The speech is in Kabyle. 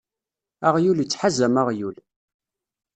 Aɣyul ittḥazam aɣyul.